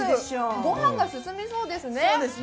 御飯が進みそうですね。